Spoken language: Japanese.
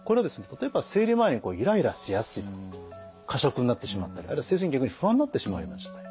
例えば生理前にイライラしやすいとか過食になってしまったりあるいは精神的に不安になってしまうような状態